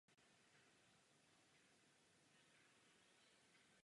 Proto byla hospoda uzavřena a s ní i lázně.